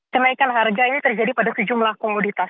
kenaikan harga ini terjadi pada sejumlah komoditas